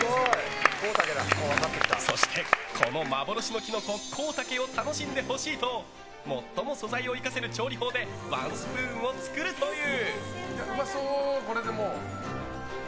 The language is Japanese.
そして、この幻のキノココウタケを楽しんでほしいと最も素材を生かせる調理法でワンスプーンを作るという。